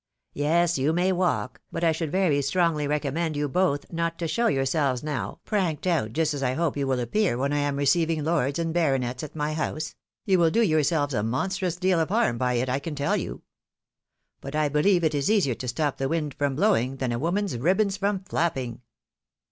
" Yes, you may walk, but I should very strongly recommend you both not to show yourselves now, pranked out just as I hope you will appear when I am receiving lords and baronets at my house — ^you will do yourselves a monstrous deal of harm by it, I can tell you. But I believe it is easier to stop the wind from blowing, than a woman's ribbons from flapping."